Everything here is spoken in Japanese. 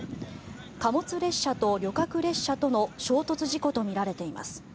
貨物列車と旅客列車との衝突事故とみられています。